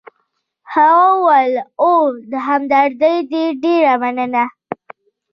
هغه وویل: اوه، له همدردۍ دي ډېره مننه.